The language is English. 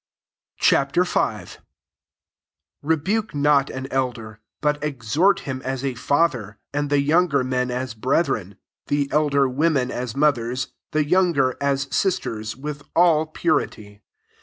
Ch. V. 1 Rebuke not an elder, but exhort him as a fa ther ; and the younger men as brethren: 2 the elder women as mothers ; the younger, as sisters, with all purity.